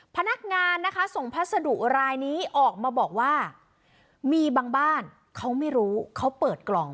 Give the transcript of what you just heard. พนักงานนะคะส่งพัสดุรายนี้ออกมาบอกว่ามีบางบ้านเขาไม่รู้เขาเปิดกล่อง